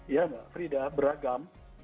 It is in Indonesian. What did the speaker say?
ya mbak frida beragam